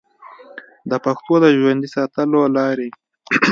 د پښتو د ژوندي ساتلو لارې